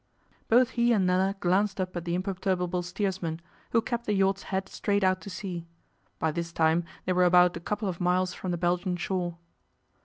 Both he and Nella glanced up at the imperturbable steersman, who kept the yacht's head straight out to sea. By this time they were about a couple of miles from the Belgian shore.